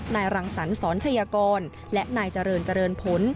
นายรังสันศรชยกรและนายเจริญเจริญพ้น